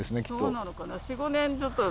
そうなのかな？